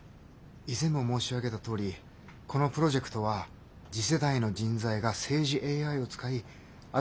以前も申し上げたとおりこのプロジェクトは次世代の人材が政治ＡＩを使い新しい政治を行うためのものです。